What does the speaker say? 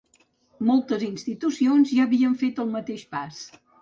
Moltes institucions ja havien fet el mateix pas.